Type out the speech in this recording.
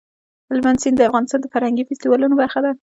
هلمند سیند د افغانستان د فرهنګي فستیوالونو برخه ده.